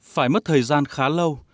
phải mất thời gian khá lâu